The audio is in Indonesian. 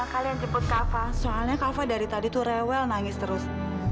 kalian jemput kava soalnya kava dari tadi tuh rewel nangis terus